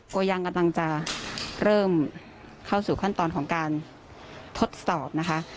ก็ยังกำลังจะเริ่มเข้าสู่ขั้นตอนของการทดสอบนะคะ